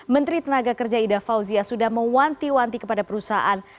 menteri tenaga kerja ida fauzia sudah mewanti wanti kepada perusahaan